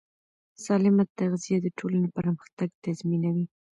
سالمه تغذیه د ټولنې پرمختګ تضمینوي.